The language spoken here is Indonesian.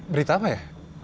berita apa ya